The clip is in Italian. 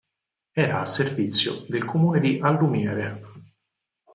Era a servizio del comune di Allumiere.